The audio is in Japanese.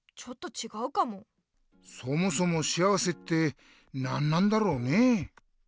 そもそも「幸せ」って何なんだろうね？